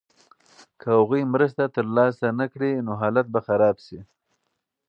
که هغوی مرسته ترلاسه نکړي نو حالت به خراب شي.